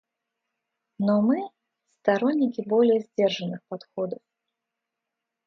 Но мы − сторонники более сдержанных подходов.